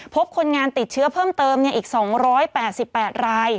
พบคนงานติดเชื้อเพิ่มเติมเนี่ยอีกสองร้อยแปดสิบแปดราย